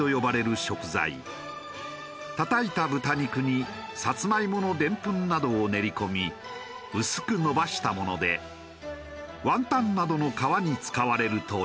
たたいた豚肉にサツマイモのでん粉などを練り込み薄く伸ばしたものでワンタンなどの皮に使われるという。